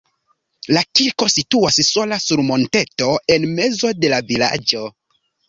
La kirko situas sola sur monteto en mezo de la vilaĝo.